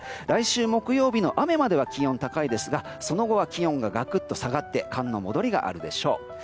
来週木曜日の雨までは気温、高いですがその後は気温ががくっと下がって寒の戻りがあるでしょう。